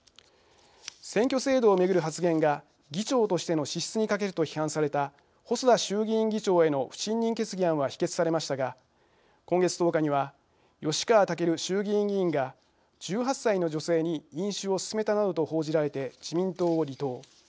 選挙制度を巡る発言が議長としての資質に欠けると批判された細田衆議院議長への不信任決議案は否決されましたが今月１０日には吉川赳衆議院議員が１８歳の女性に飲酒を勧めたなどと報じられて自民党を離党。